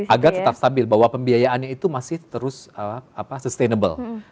agar tetap stabil bahwa pembiayaannya itu masih terus sustainable